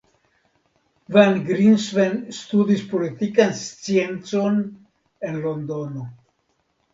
Van Grinsven studis politikan sciencon en Londono.